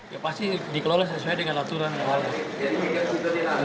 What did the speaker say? ya pasti dikelola sesuai dengan aturan awal